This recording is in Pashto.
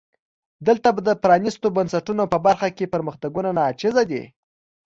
دلته د پرانیستو بنسټونو په برخه کې پرمختګونه ناچیزه دي.